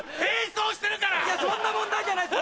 いやそんな問題じゃないです